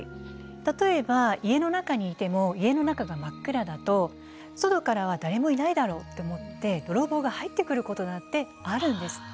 例えば家の中にいても家の中が真っ暗だと外からは「誰もいないだろう」と思って泥棒が入ってくることだってあるんです。